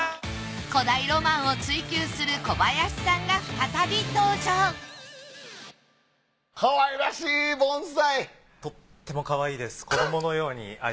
古代ロマンを追求する小林さんが再び登場かわいらしい盆栽！